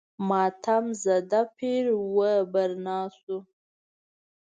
ماتم زده پیر و برنا شو.